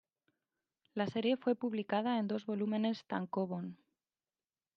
La serie fue publicada en dos volúmenes tankōbon.